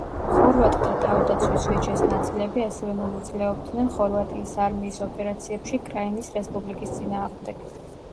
ხორვატთა თავდაცვის ვეჩეს ნაწილები ასევე მონაწილეობდნენ ხორვატიის არმიის ოპერაციებში კრაინის რესპუბლიკის წინააღმდეგ.